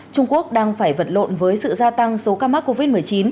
trung quốc đang phải vật lộn với sự gia tăng số ca mắc covid một mươi chín